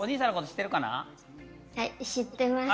知ってます？